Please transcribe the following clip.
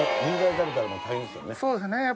そうですね。